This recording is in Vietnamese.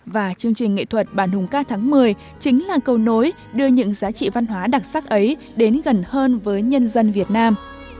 và chương trình nghệ thuật bản hùng ca tháng một mươi chính là cầu nối đưa những giá trị văn hóa đặc sắc ấy đến gần hơn với nhân dân việt nam